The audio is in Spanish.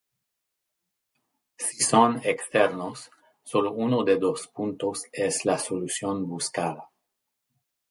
Si son externos, solo uno de dos puntos es la solución buscada.